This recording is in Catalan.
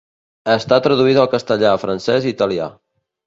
Està traduïda al castellà, francès i italià.